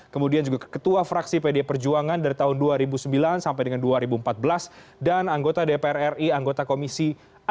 kemudian juga ketua fraksi pdi perjuangan dari tahun dua ribu sembilan dua ribu empat belas dan anggota dpr ri anggota komisi enam dua ribu sembilan dua ribu empat belas